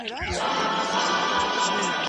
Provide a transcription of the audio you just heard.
په مځکه اوږد وغځیږه او ارام وکړه.